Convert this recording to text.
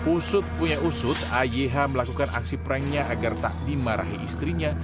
usut punya usut ayh melakukan aksi pranknya agar tak dimarahi istrinya